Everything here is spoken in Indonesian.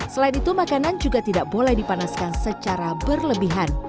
selain itu makanan juga tidak boleh dipanaskan secara berlebihan